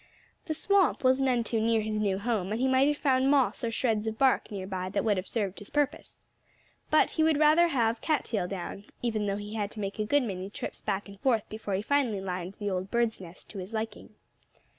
The swamp was none too near his new home; and he might have found moss or shreds of bark near by that would have served his purpose. But he would rather have cat tail down, even though he had to make a good many trips back and forth before he finally lined the old bird's nest to his liking.